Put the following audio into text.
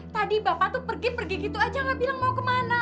tadi bapak tuh pergi pergi gitu aja gak bilang mau kemana